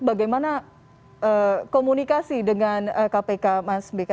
bagaimana komunikasi dengan kpk mas beka